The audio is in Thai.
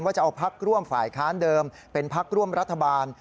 จะเอาพักร่วมฝ่ายค้านเดิมเป็นพักร่วมรัฐบาล